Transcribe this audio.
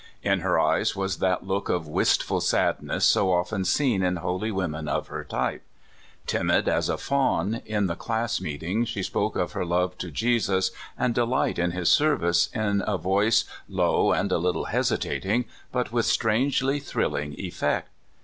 In her eyes was that look of wistful sadness so often seen in holy women of her type. Timid as a fawn, in the class meeting she spoke of her love to Jesus and delight in his service in a voice low and a little hesitating, but with strangely thrilling effect.